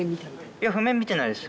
いや譜面見てないです